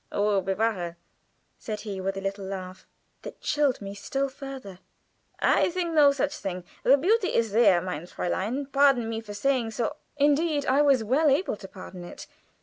"O, bewahre!" said he, with a little laugh, that chilled me still further. "I think no such thing. The beauty is there, mein Fräulein pardon me for saying so " Indeed, I was well able to pardon it.